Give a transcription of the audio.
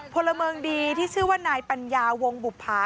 พลเมืองดีที่ชื่อว่านายปัญญาวงบุภา